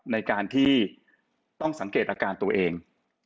ในการที่ต้องสังเกตอาการตัวเอง